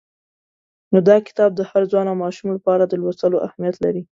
نو دا کتاب د هر ځوان او ماشوم لپاره د لوستلو اهمیت لري.